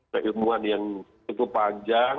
keilmuan yang cukup panjang